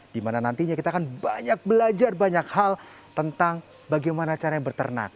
di mana nantinya kita akan banyak belajar banyak hal tentang bagaimana caranya berternak